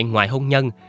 ngoài hôn nhân